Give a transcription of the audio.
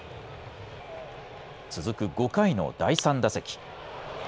続く５回の第３打席。